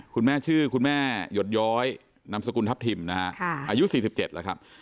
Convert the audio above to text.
คุณแม่ชื่อคุณแม่หยดย้อยนามสกุลทัพทิมนะฮะอายุ๔๗แล้วครับ